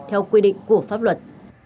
theo quy định của pháp luật